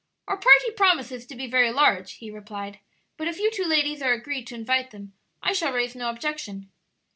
"Our party promises to be very large," he replied; "but if you two ladies are agreed to invite them I shall raise no objection."